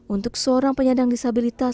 untuk seorang penyandang disabilitas